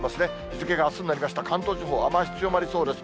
日付があすになりました、関東地方、雨足強まりそうです。